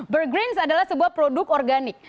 burg green adalah sebuah produk organik